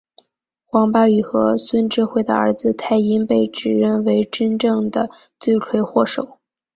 黄巴宇和孙智慧的儿子泰英被指认为真正的罪魁祸首。